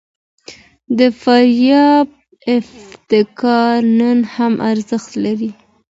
د فارابي افکار نن هم ارزښت لري.